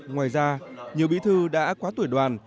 ngoài ra nhiều bí thư đã quá tuổi đoàn